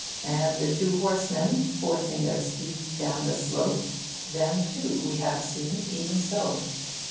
And the two horsemen, forcing their steeds down the slope them, too, we have seen, even so.